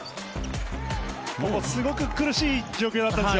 すごく苦しい状況だったんですよ